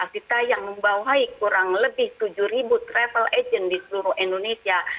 kita yang membawahi kurang lebih tujuh ribu travel agent di seluruh indonesia